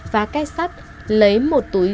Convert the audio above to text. phá cách sắt lấy một túi